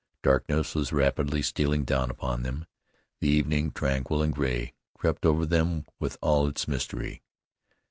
Darkness was rapidly stealing down upon them. The evening, tranquil and gray, crept over them with all its mystery.